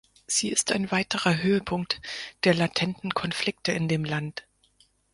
Sie ist ein weiterer Höhepunkt der latenten Konflikte in dem Land.